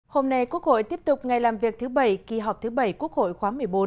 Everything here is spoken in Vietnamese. hôm nay quốc hội tiếp tục ngày làm việc thứ bảy kỳ họp thứ bảy quốc hội khóa một mươi bốn